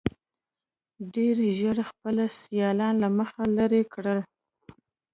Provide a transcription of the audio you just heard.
ډېر ژر خپل سیالان له مخې لرې کړل.